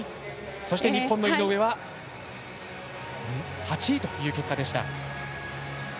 そして、日本の井上は８位という結果でした。